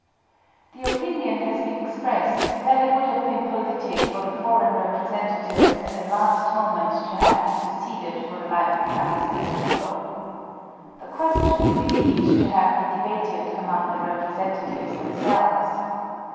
The opinion has been expressed that it would have been politic for the foreign representatives at the last moment to have interceded for the life of Taki Zenzaburô. The question is believed to have been debated among the representatives themselves.